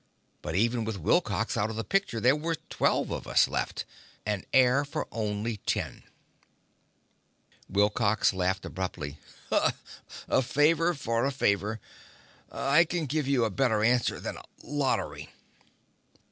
But even with Wilcox out of the picture, there were twelve of us left and air for only ten! Wilcox laughed abruptly. "A favor for a favor. I can give you a better answer than a lottery."